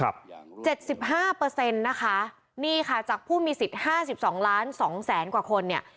๗๕เปอร์เซ็นต์นะคะนี่ค่ะจากผู้มีสิทธิ์๕๒ล้าน๒แสนกว่าคนเนี่ย